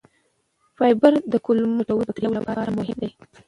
فایبر د کولمو ګټورو بکتریاوو لپاره مهم دی.